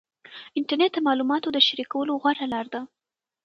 انټرنیټ د معلوماتو د شریکولو غوره لار ده.